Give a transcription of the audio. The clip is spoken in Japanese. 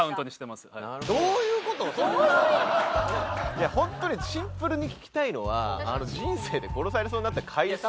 いや本当にシンプルに聞きたいのは人生で殺されそうになった回数。